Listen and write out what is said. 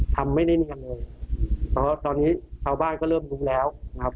ทำไม่ได้เนียนเลยเพราะตอนนี้ชาวบ้านก็เริ่มรู้แล้วนะครับ